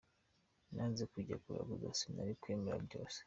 Nanze kujya kuraguza, sinari kwemera rwose.